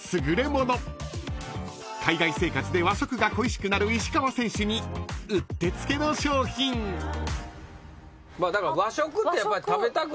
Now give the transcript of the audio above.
［海外生活で和食が恋しくなる石川選手にうってつけの商品］だから和食ってやっぱり食べたくなるもんでしょ。